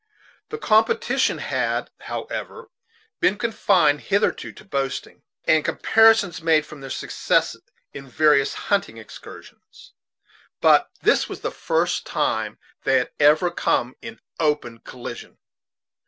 The competition had, however, been confined hitherto to boasting, and comparisons made from their success in various hunting excursions; but this was the first time they had ever come in open collision.